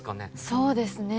そうですね。